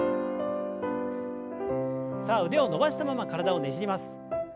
さあ腕を伸ばしたまま体をねじります。